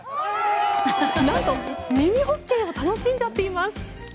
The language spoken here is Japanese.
何と、ミニホッケーを楽しんじゃっています。